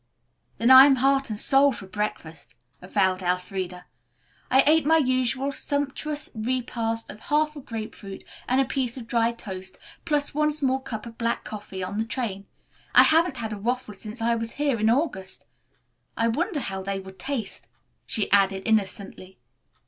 "Then I am heart and soul for breakfast," avowed Elfreda. "I ate my usual sumptuous repast of half a grape fruit and a piece of dry toast, plus one small cup of black coffee, on the train. I haven't had a waffle since I was here in August. I wonder how they would taste," she added innocently.